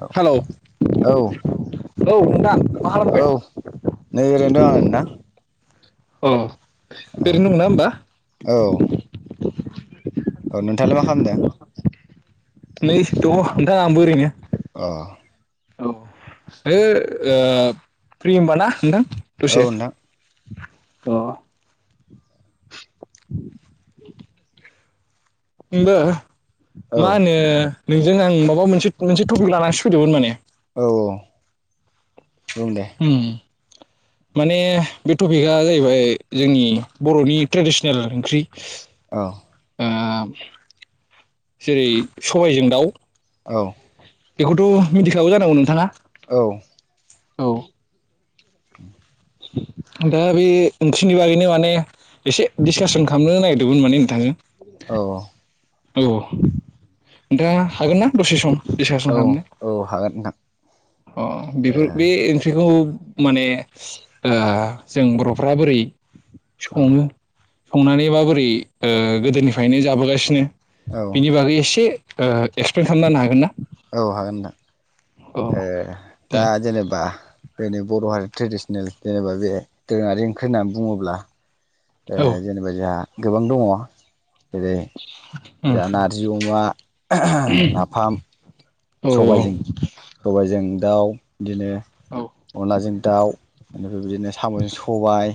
औ हेलौ औ नोंथां मा औ नै ओरैनो दं आं खालामदों? नोंथां अ। औ ओरैनो दं ना होमबा? ओ नोंथाङालाय मा खालामदों? नै दङ' नोंथां आंबो ओरैनो। अ। औ हो ओ फ्रि होनबा ना नोंथां? औ नोंथां। अ। ओमबो औ माहोनो नोंजों आं माबा मोनसे मोनसे टपिक लानानै फैदोंमोन माने औ औ बुंं दे उम माने बे टपिकआ जाहैबाय जोंनि बर'नि ट्रेडिसनेल ओंख्रि औ ओ जेरै सबायजों दाउ औ बेखौथ' मिथिखागौ जानांगौ नोंथाङा औ औ [inaudible] दा बे ओंख्रिनि बागैनो माने एसे डिसकासन खालामनो नागिरदोंमोन माने नोंथांजों औ औ नोंथाङा हागोन ना दसे सम औ औ हागोन नोंथां। अह बेफोर बे ओंख्रिखौ माने ओ जों बर'फ्रा बोरै ओ औ सङो संनानै माबोरै ओ गोदोनिफायनो जाबोगासिनो औ बिनि औ बागै एसे ओ एक्सप्लेन खालामना हानो हागोनना? औ हागोन नोंथां। ए दे दा जेनेबा बेनो बर' हारि ट्रेडिसनेल जेनेबा बे दोरोङारि ओंख्रि होननानै बुङोब्ला ओ औ उम जेनेबा जोंहा गोबां दङ। जेरै जाहा नारजि अमा नाफाम औ अह। सबायजों सबायजों दाउ इदिनो अनलाजों दाउ, ओनिफ्राय बिदिनो साम'जों सबाय।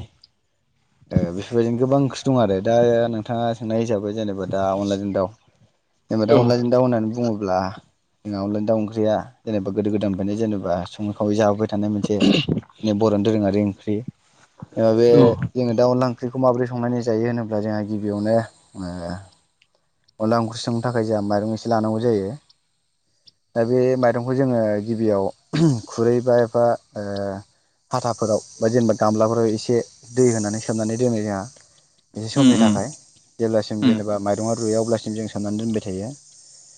ओ बेफोरबायदिनो गोबां ओं दं आरो दा नोंथाङा सोंनाय हिसाबै जेनेबा दा अनलाजों दाउ, जेनेबा दा अनलाजों दाव होननानै बुङो अब्ला जोंना अनलाजों दाउ ओंख्रिया जेनेबा गोदो गोदायनिफ्रायनो जेनेबा सङै खावै जाहोबाय थानाय मोनसे बर'नि दोरोङारि फ्रि ओ बे जोङो दा अनला ओंख्रिखौ माबोरै संनानै जायो होनोब्ला जोंहा गिबियावनो ओ अनला अंख्रि संनो थाखाय जोंहा माइरं एसे लानांगौ जायो। दा बे माइरंखौ जोङो गिबियाव खुरै बा एफा ओ हाथाफोराव बा जेनेबा गामलाफोराव एसे दै होनानै सोमनानै दोनो जोंहा। एसे समनि औ उम थाखाय जेब्लासिम उम जेनेबा माइरङा रुया अब्लासिम जों साननानै दोनबाय थायो।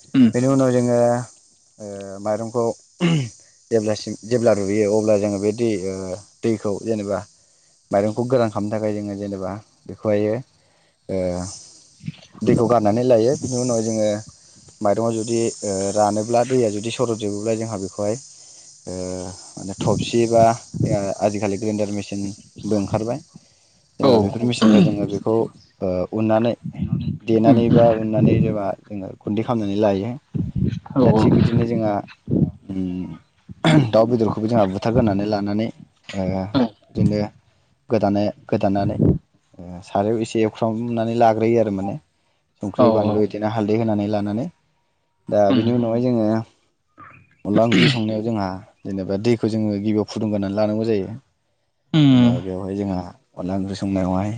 औ बेनि उनाव जोङो ओ माइरंखौ जेब्लासिम जेब्ला रुयो अब्ला जोङो बे दै दैखौ जेनेबा माइरंखौ गोरान खालामनो थाखाय जोङो जेनेबा बेखौहायो ओ दैखौ गारनानै लायो। बिनि उनाव जोङो माइरङा जुदि रानोब्ला दैया जुदि सरदजोबोब्ला जोंहा बेखौहाय ओ माने थबसि बा आजिखालि ग्रिन्दार मिसिन बो ओंखारबाय जेनेबा बेफोर मेसिननिफ्रा जोङो बेखौ उननानै उम देनानै बा उननानै जेबा जोङो गुन्दै खालामनानै लायो। औ दा थिग बिदिनो जोंहा दाउ बेदरखौबो जोंहा बुथारगोनानै लानानै ओ बिदिनो गोदानो गोदानानै ओ सारायाव एसे एवख्रावनानै लाग्रोयो आरो माने औ संख्रि बानलु बिदिनो हालदै होनानै ला मोननानै दा उम बेनि उनावहाय जोङो अनला ओंख्रि संनायाव जोंहा जेनेबा दैखौ जोङो गिबियाव फुदुंगोनानै लानांगौ जायो। उम जेनेबा बेवहाय जोंहा अनला ओंख्रि संनायावहाय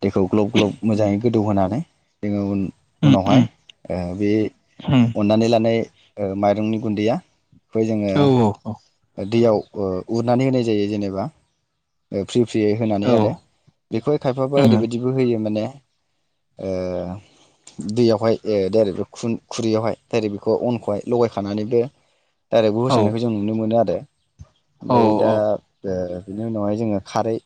दैेखौ ग्लब ग्लब मोजाङै गोदौहोनानै जोङो उन-उनावहाय उम ओ बे उम अननानै लानाय ओ माइरंनि गुन्दैया बेखौ जोङो औ औ दैयाव ओ उरनानै होनाय जायो जेनेबा ओ फ्रि फ्रियै होनानै आरो बेखौहाय खायफाबो उम ओरैबायदिबो होयो माने ओ दैयावहाय दाइरेक्ट खुरैयावहाय दाइरेक्ट बेखौ अनखौहाय लगायखानानैबो दाइरेकबो होसनायखौ औ जों नुनो मोन आरो औ ओमफ्राय दा ओ बिनि उनावहाय जोङो खारै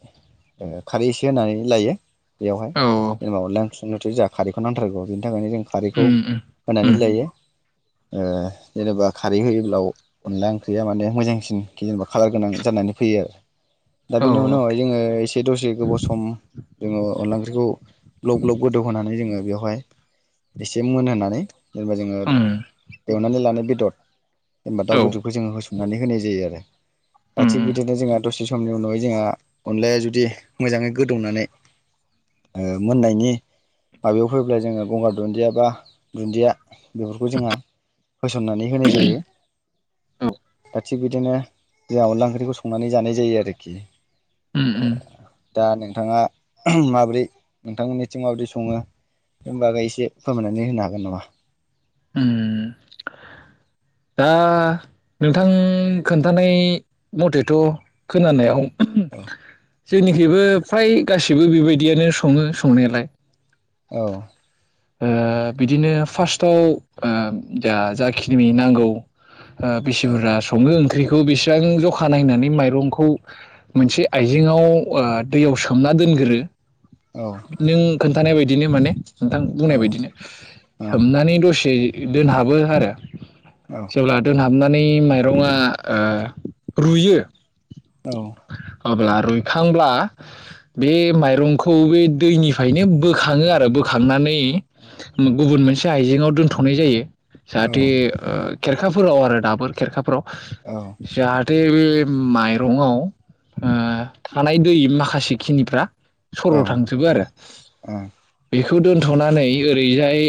ओ खारै एसे होनानै लायो बेयावहाय औ जेनेबा अनला ओंख्रि संनायावथ' जोंहा खारैखौ नांथारगौ बिनि थाखायनो जों खारखौ उम उम होनानै लायो ओ जेनेबा खारै होयोब्ला अनला ओंख्रिया माने मोजां सिनि जेनेबा खालार गोनां जानानै फैयो आरो। दा औ बेनि उनावहाय जोङो एस दसे गोबाव सम जोङो अनला ओंख्रिखौ ग्लब ग्लब गोदौ होनोनानै जोङो बेवहाय एसे मोनहानै जेनेबा जोङो उम एवनानै लानाय बेदर जेनेबा दाउ औ उम बेदरखौ जोङो होसननानै होनाय जा जायोआरो दा थिग उम बिदिनो जोंहा दसे समनि उनावहाय जोंहा अनलाया जुदि मोजाङै गोदौनानै मोननायनि माबायाव फैब्ला जोङो गंगार दुन्दिया बा दुन्दिया बेफोरखौ जोंहा होसननानै होनाय जायो। थिग बिदिनो जोंहा अनला ओंख्रिखौ संनानै जानाय जायो आरोखि उम उम दा नोंथाङा माबोरै नोंथांमोननिथिं माबोरै सङो बेनि बागै एसे फोरमायनानै होनो हागोन नामा? उम दा नोंथां खोन्थानाय मथेथ' खोनानायाव औ जोंनिखबो फ्राय गासिबो बेबायदियानो सङो संनायालाय औ। ओ बिदिनो फार्स्टआव ओ जा जाखिनिनि नांगौ [inaudible] ओ बेसि औ बुरजा सङो ओंख्रि खौ बेसेबां जखा नायनानै माइरंखौ मोनसे आइजेेंआव ओ दैयाव सोमना दोनग्रो औ नों खोन्थानाय बायदि बिदिनो माने नोंथां औ बुंनाय बायदिनो सोमनानै दसे दोनहाबो आरो औ जेब्ला दोनहाबनानै माइरङा रुयो औ अब्ला रुइखांब्ला बे माइरंखौ बे दैनिफ्रायनो बोखाङो आरो बोखांनानै गुबुन मोन एसे आइजेंआव दोनथ'नाय जायो स आ औ खेरखाफोराव आरो दाबो खेरखाफोराव औ जाहाथे बे माइरंआव थानाय दै माखासे खिनिफ्रा [unintelligible] औ थांजोबो आरो बे बेखौ दोनथ'नानै ओरैजाय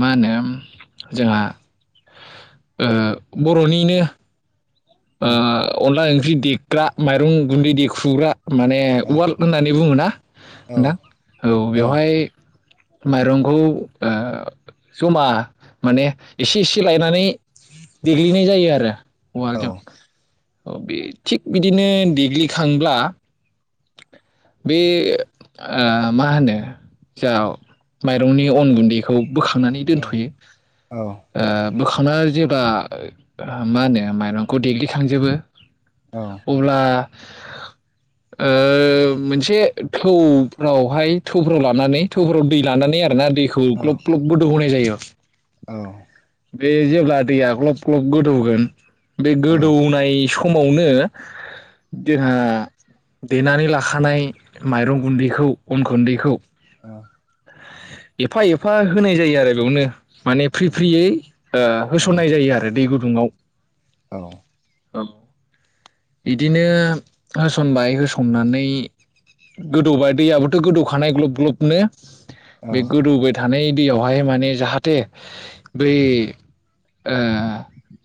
मा होनो जोंहा बर'निनो ओ [unintelligible] फ्रि देग्रा माइरं गुन्दै देखुग्रा माने वालड होननानै बुङोना [unintelligible] औ बेवहाय माइरंखौ जमा माने इसे इसे लायनानै देग्लिनाय जायो आरो [unintelligible] औ बे थिग बिदिनो देग्लिखांब्ला बे मा होनो जा माइरंनि अन गुन्दैखौ बोखांनानै दोनथ'यो ओ बोखांनानै जेबा मा होनो माइरंखौ देग्लिखांजोबो अब्ला ओ मोनसे थौफ्रावहाय थौफोराव लानानै थौफोराव दै लानानै आरोना। दैखौ ग्लब ग्लबबो दौहोनाय जायो। औ। बे जेब्ला दैया ग्लब ग्लब गोदौगोन बे गोदौनाय सम समावनो जोंहा देनानै लाखानाय माइरं गुन्दैखौ अन गुन्दैखौ अ। एफा एफा होनाय जायो आरो बेयावनो माने फ्रि फ्रियै ओ होसननाय जायो आरो दै गुु गुदुंङाव। औ। ओं। इदिनो होसनबाय होसननानै गोदौबाय दैयाबोथ' गोदौखानाय ग्लब ग्लबनो औ बे गोदो बाय था थानाय दैयावहाय माने जाहाथे बै ओ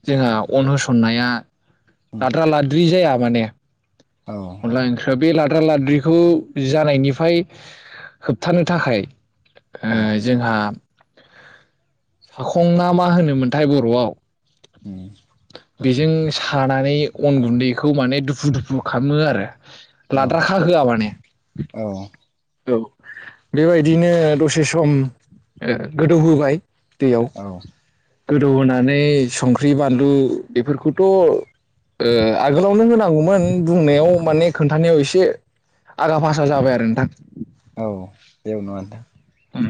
जोंहा अन होसननाया औ लाद्रा लाद्रि जाया माने औ अनला ओंख्रैयाव बे लाद्रा लाद्रिखौ जानायनिफ्राय होबथानो थाखाय ओ जोंहा साखं मा होनोमोनथाय बर'आव ओम। बेजों सानानै अन गुन्दैखौ माने दुफु दुफु खालामो आरो। लाद्रा खाहोआ माने औ औ बेबायदिनो दसे सम ओ गोदौहोबाय दैयाव औ। गोदौ होनोनानै संख्रि बानलु बेफोरखौथ' ओ आगोलावनो होनांगौमोन बुंनायाव औ माने खोन्थानायाव एसे एसे आगा फासा जाबाय आरो नोंथां। औ जेबो नङा नोंथां ओम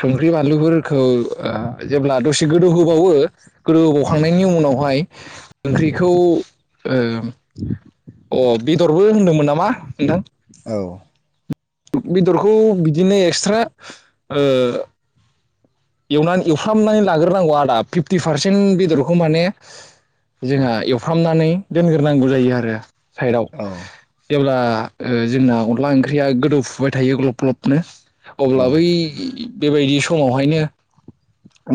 संख्रि बानलुफोरखौ जेब्ला दसे गोदौ होबावो गोदो होबावखांनायनि उनावहाय ओंख्रिखौ ओ बेदरबो होनदोंमोन नामा नोंथां। औ बेदरखौ बिदिनो एक्सट्रा ओ एवनानै एवफ्रामनानै लाग्रोनांगौ आदा फिफ्टि पारसेन्ट बेदरखौ माने औ जोंहा एवफ्रामनानै दोनग्रोनांगौ जायो आरो साइदाव औ जेब्ला ओ जोंना अनदला ओंख्रिया गोदौफुबाय थायो ग्लब ग्लबनो औ अब्ला बै बेबायदि समावहायनो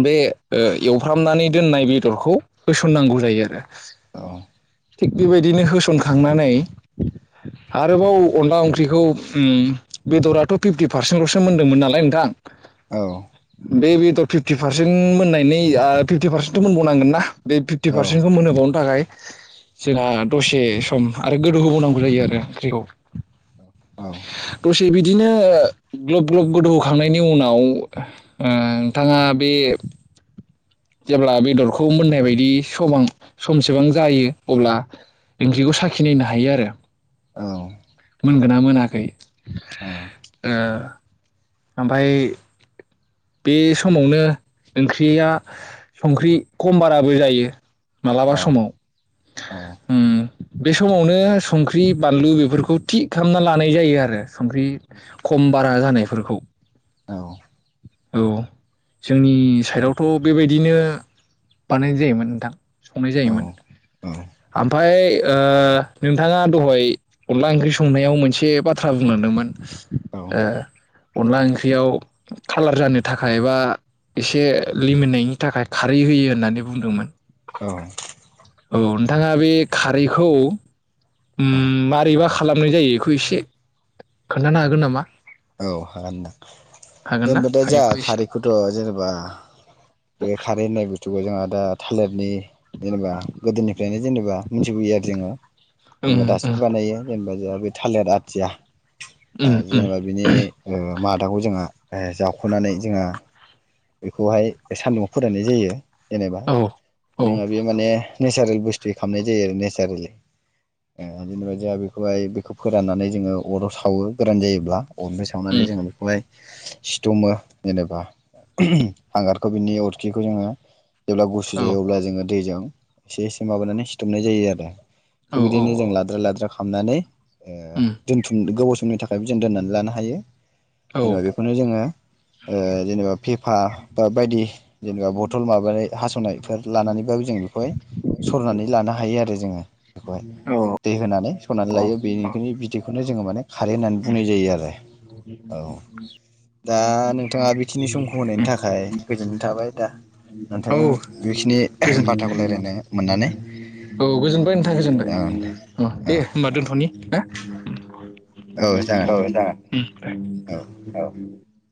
बे ओ एवफ्रामनानै दोननाय बेदरखौ होसननांगौ जायो आरो। औ थिग बेबायदिनो होसनखांनानै आरोबाव अनला ओंख्रिखौ ओम बेदराथ' फिफ्टि पारसेन्टल'सो मोनदोंमोन नालाय नोंथां औ। बे बेदर फिफ्टि पारसेन्ट मोननायनि ओ फिफ्टि पारसेन्टथ' मोनबावनांगोन ना? बे फिफ्टि औ औ पारसेन्टखौ मोनहोबावनो थाखाय जोंहा दसे सम आरो गोदौ होबावनांगौ जायो आरो ओंख्रिखौ। औ। दसे बिदिनो ग्लब ग्लब गोदौहोखांनायनि उनाव ओ नोंथाङा बे जेब्ला बेदरखौ मोननाय बायदि समा समसेबां जायो अब्ला ओंख्रिखौ साखिनायनो हायो आरो, औ। मोनगोना मोनाखै। ओ [inaudible] बे समावनो ओंख्रिया संख्रि खम बाराबो जायो मालाबा समाव औ उम। बे समावनो संख्रि संख्रि खम बारा जानाय फोरखौ औ। औ जोंनि साइडआवथ' बेबायदिनो बानायनाय जायोमोन नोंथां औ औ। आमफाय ओ नोंथाङा दहाय अनला ओंख्रि संनायाव मोनसे बाथ्रा बुंलांदोंमोन ओ अनला ओंख्रियाव खालार जानो थाखाय बा एसे लिमोननायनि थाखाय खारै होयो होननानै बुंदोंमोन। औ। औ नोंथाङा बे खारैखौ उम मारैबा खालामनाय जायो बेखौ एसे खोन्थानो हागोन नामा? औ हागोनदां। हागोन ना जेनेबा दा जाहा हायोबा एसे खारैखौथ' जेनेबा बे खारै होननाय बुस्थुखौ जोंहा दा थालिरनि जेनेबा गोदोनिफ्रायनो जेनेबा मिथिबोयो आरो जोङो उम जेनेबा उम दासिमबो बानायो जेनेबा जाहा थालिर आथिया उम्म उम्म। नि ओ मादाखौ [unintelligible] आ ए जावख'नानै जोंहा बेखौहाय सान्दुंआव फोराननाय जायो। जेनेबा औ औ जोंहा बे माने नेचारेल बुस्थुयै खालामामनाय जायो आरो नेसारेलि ओ जेनेबा जोंहा बेखौहाय बेखौ फोराननानै जोङो अराव सावो गोरान जायोब्ला। अरनिफ्राय सावनानै उम जोङो बेखौहाय सिथुमो जेनेबा हांगारखौ बिनि अरखिखौ जोङो जेब्ला गुसु औ जायो अब्ला जोङो दैजों एसे एसे माबानानै बुथुमनाय जायो आरो थिग औ औ बिदिनो जों लाद्रा लाद्रा खालामनानै ओ उम दोनथुम गोबाव समनि [unintelligible] यबो जों दोननानै लानो हायो। औ जेनेबा बेखौनो जोङो ओ जेनेबा फेफा बा बायदि जेनेबा बथल माबानाय हास'नायफोर लानानैबाबो जों बेखौहाय सरनानै लानो हायो आरो जोङो बेखौहाय दै होनानै सरनानै लायो बेनिखिनि बिदैखौनो जोङो माने खारै होननानै बुंनाय जायो आरो औ दा नोंथाङा बेखिनि सम नि थाखाय गोजोननाय थाबाय दा औ नोंथांजों बेखिनि गोजोन बाथ्राखौ रायज्लायनो मोननानै औ गोजोनबाय नोंथा गोजोनबाय जागोन दे अ औ दे होनबा दोनथ'नि हा औ जागोन। औ [inaudible] औ